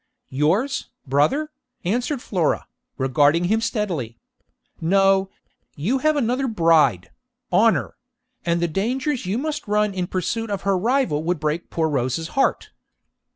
'Yours, brother?' answered Flora, regarding him steadily. 'No; you have another bride Honour; and the dangers you must run in pursuit of her rival would break poor Rose's heart.'